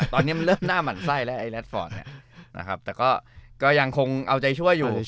ตอนนี้มันเริ่มหน้ามันไส้แล้วไอลัทฟอร์ตเนี่ย